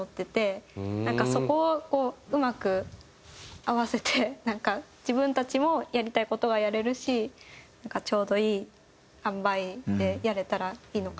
なんかそこをこううまく合わせてなんか自分たちもやりたい事がやれるしちょうどいい塩梅でやれたらいいのかなっていう風に思って。